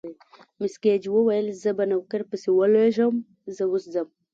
مس ګېج وویل: زه به نوکر پسې ولېږم، زه اوس ځم.